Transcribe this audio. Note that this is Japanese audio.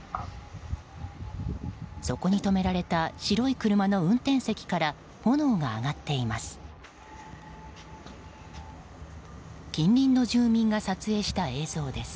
そこに止められた白い車の運転席から炎が上がっています。